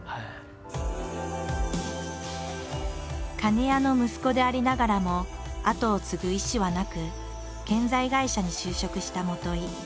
鐘屋の息子でありながらも後を継ぐ意思はなく建材会社に就職した元井。